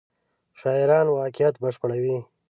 شاعران واقعیت بشپړوي.